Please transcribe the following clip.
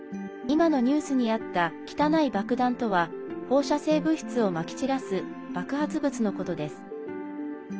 今のニュースにあった汚い爆弾とは放射性物質をまき散らす爆発物のことです。